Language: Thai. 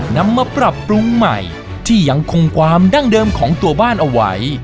นำมาปรับปรุงใหม่ที่ยังคงความดั้งเดิมของตัวบ้านเอาไว้